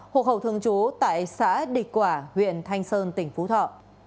hộ khẩu thương chú tại xã địch quả huyện thanh sơn tỉnh phú thọ